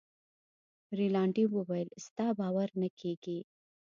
رینالډي وویل ستا باور نه کیږي.